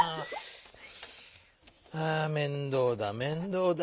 あ面倒だ面倒だ。